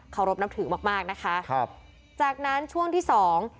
เคารพนับถือมากนะคะจากนั้นช่วงที่สอง